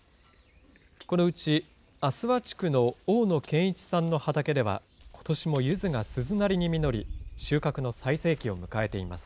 このうち阿諏訪地区の大野謙一さんの畑では、ことしもゆずが鈴なりに実り、収穫の最盛期を迎えています。